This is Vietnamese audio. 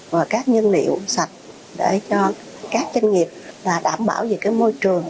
và các nhân liệu sạch để cho các doanh nghiệp đảm bảo về cái môi trường